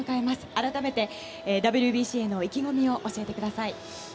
改めて、ＷＢＣへの意気込みを教えてください。